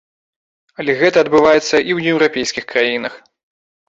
Але гэта адбываецца і ў еўрапейскіх краінах.